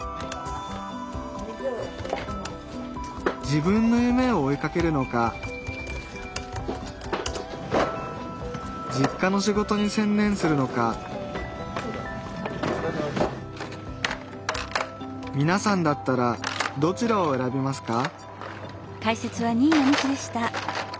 自分の夢を追いかけるのか実家の仕事に専念するのかみなさんだったらどちらを選びますか？